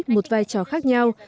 một vai trò khác nhau